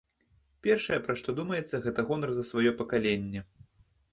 Першае, пра што думаецца, гэта гонар за сваё пакаленне.